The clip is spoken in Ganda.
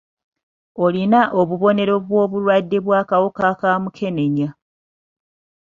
Olina obubonero bw'obulwadde obw'akawuka ka mukenenya.